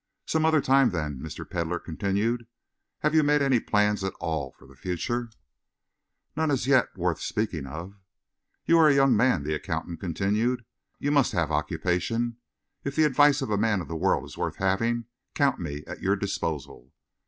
"Some other time, then," Mr. Pedlar continued. "Have you made any plans at all for the future?" "None as yet worth speaking of." "You are a young man," the accountant continued. "You must have occupation. If the advice of a man of the world is worth having, count me at your disposal."